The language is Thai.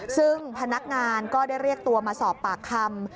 ซึ่งพนักงานก็ได้เรียกตัวมาสอบปากคำ